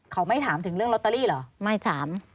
เขาไม่ถามถึงเรื่องลอตเตอรี่เหรอไม่ถาม